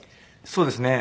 そうですね。